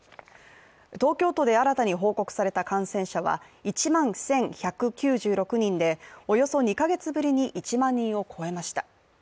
東京都で新たに報告された感染者は１万１１９６人でおよそ２か月ぶりに１万人を超えました。